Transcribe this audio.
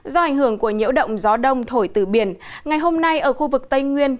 do ảnh hưởng của nhiễu động gió đông thổi từ biển ngày hôm nay ở khu vực tây nguyên